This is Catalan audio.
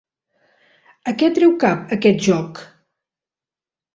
A què treu cap, aquest joc?